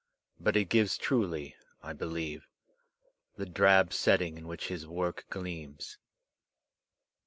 But it gives truly, I believe, the drab setting in which his work gleams.